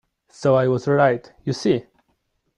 So I was right, you see!